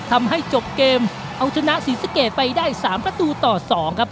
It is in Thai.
ทำให้จบเกมเอาชนะศรีสะเกดไปได้๓ประตูต่อ๒ครับ